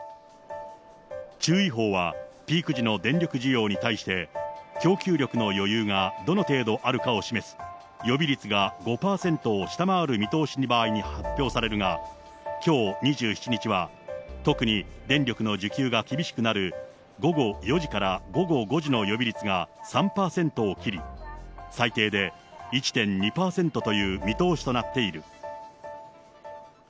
注意報はピーク時の電力需要に対して、供給力の余裕がどの程度あるかを示す、予備率が５％を下回る見通しの場合に発表されるが、きょう２７日は、特に電力の需給が厳しくなる午後４時から午後５時の予備率が３％を切り、最低で１．２％という見通しとなっている。